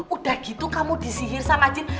udah gitu kamu disihir sama jin